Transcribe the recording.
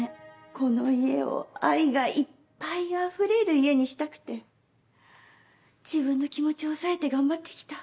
この家を愛がいっぱいあふれる家にしたくて自分の気持ちを抑えて頑張って来た。